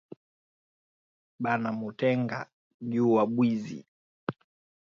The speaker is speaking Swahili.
Bana mutenga juya bwizi